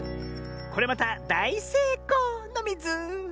これまただいせいこうのミズ！